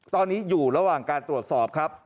ตอนนี้อยู่ระหว่างการตรวจสอบครับ